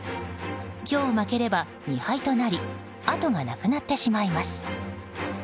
今日、負ければ２敗となりあとがなくなってしまいます。